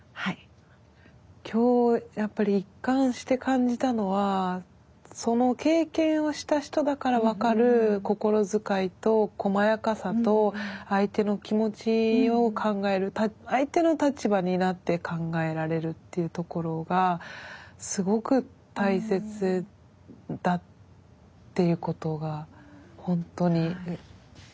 今日やっぱり一貫して感じたのはその経験をした人だから分かる心遣いとこまやかさと相手の気持ちを考える相手の立場になって考えられるっていうところがすごく大切だっていうことが本当に分かりました。